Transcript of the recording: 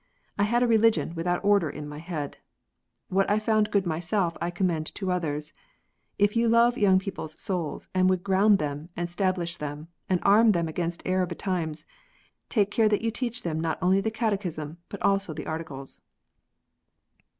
I had a religion without order in my head. What I found good myself I commend to others. If you love young people s souls, and would ground them, and stablish them, and arm them against error betimes, take care that you teach them not only the Catechism, but also the Articles.